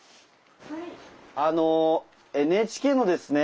あのＮＨＫのですね